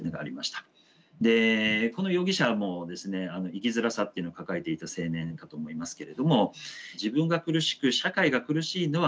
この容疑者も生きづらさっていうのを抱えていた青年かと思いますけれども自分が苦しく社会が苦しいのはですね